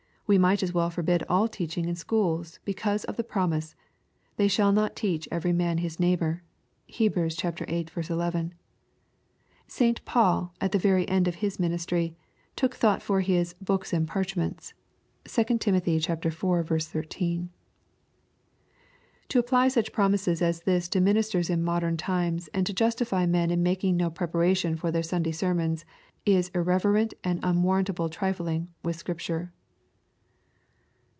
We might as well forbid all teaching in schools, because of the promise, They shall not teach every man his neighbor." (Heb. viii. 11.) St. Paul, at the very end of his ministry, took thought for his " books and parchments." — (2 Tim. iv. 13.) To apply such promises as this to ministers in modern times, and to justify mon in making no preparation for their Sunday ser mons, is irreverent and unwarrantable trifling with Scriptur*